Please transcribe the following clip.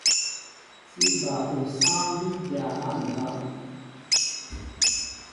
Sí bal osááŋ bí dya á ndáw.